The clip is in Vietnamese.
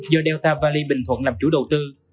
do delta valley bình thuận làm chủ đầu tư